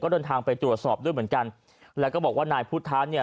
เดินทางไปตรวจสอบด้วยเหมือนกันแล้วก็บอกว่านายพุทธะเนี่ย